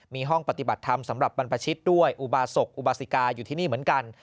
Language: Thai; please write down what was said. มีห้องปฏิบัติธรรมสำหรับบรรพชิตด้วยอุบาศกอุบาสิกาอยู่ที่นี่เหมือนกัน